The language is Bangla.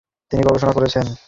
তুমি প্রস্তুত তো?